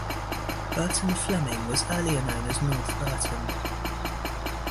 Burton Fleming was earlier known as North Burton.